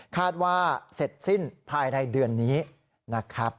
คาดว่าเสร็จสิ้นภายในเดือนนี้นะครับ